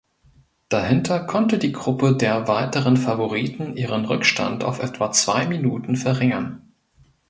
Dahinter konnte die Gruppe der weiteren Favoriten ihren Rückstand auf etwa zwei Minuten verringern.